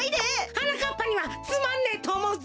はなかっぱにはつまんねえとおもうぜ。